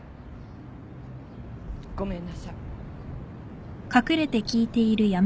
ごめんなさい。